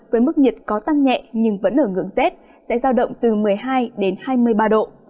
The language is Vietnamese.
với mức nhiệt có tăng nhẹ nhưng vẫn ở ngưỡng rét sẽ giao động từ một mươi hai đến hai mươi ba độ